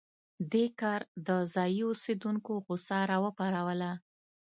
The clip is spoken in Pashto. دې کار د ځايي اوسېدونکو غوسه راوپاروله.